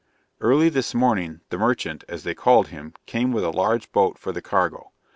Early this morning, the merchant, as they called him, came with a large boat for the cargo.